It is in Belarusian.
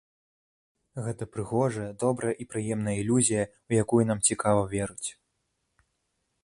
Гэта прыгожая, добрая і прыемная ілюзія, у якую нам цікава верыць.